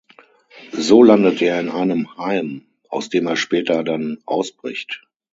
So landet er in einem Heim, aus dem er später dann ausbricht.